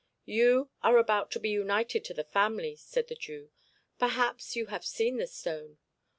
'You are about to be united to the family,' said the Jew; 'perhaps you have seen the stone.